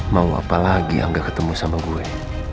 mau apa lagi angga ketemu sama gue